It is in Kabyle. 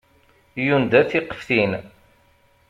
Yunda tiqeftin.